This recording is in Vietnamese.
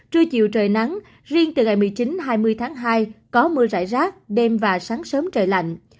trưa chiều trời nắng riêng từ ngày một mươi chín hai mươi tháng hai có mưa rải rác đêm và sáng sớm trời lạnh